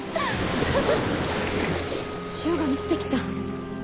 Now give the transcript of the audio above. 潮が満ちて来た。